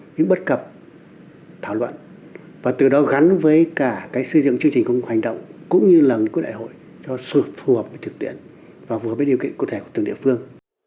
những bất cập thảo luận và từ đó gắn với cả cái xây dựng chương trình công hành động cũng như lần của đại hội cho sự phù hợp với thực tiện và phù hợp với điều kiện cơ thể của từng địa phương